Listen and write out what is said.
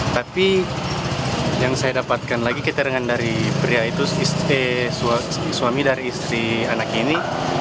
tapi yang saya dapatkan lagi kita dengan dari pria itu suami dari istri anak ini